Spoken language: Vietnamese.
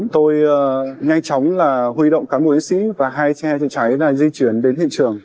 tôi nhanh chóng huy động cán bộ chiến sĩ và hai xe chữa cháy di chuyển đến hiện trường